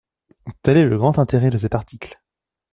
Tel est le grand intérêt de cet article.